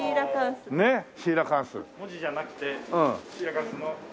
文字じゃなくてシーラカンスの。